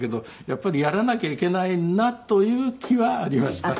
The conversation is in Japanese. やっぱりやらなきゃいけないなという気はありました。